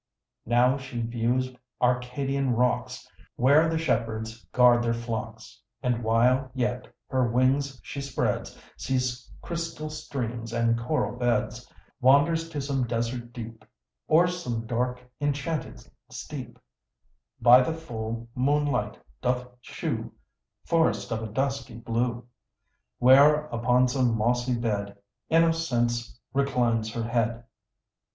Now she views Arcadian rocks, Where the shepherds guard their flocks, And, while yet her wings she spreads, Sees chrystal streams and coral beds, Wanders to some desert deep, Or some dark, enchanted steep, By the full moonlight doth shew Forests of a dusky blue, Where, upon some mossy bed, Innocence reclines her head.